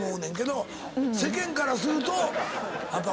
世間からするとやっぱ。